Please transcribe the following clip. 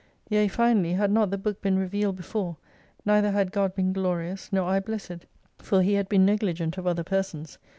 Yea finally, had not the Book been revealed before, neither had God been glorious, nor I blessed, for He had been negligent of other persons.